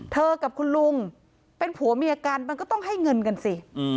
กับคุณลุงเป็นผัวเมียกันมันก็ต้องให้เงินกันสิ